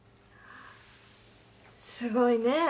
すごいね。